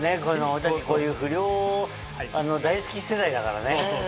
俺たちこういう不良大好き世代だからね。